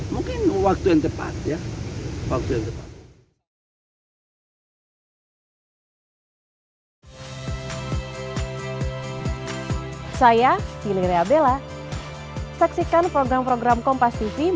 mungkin waktu yang tepat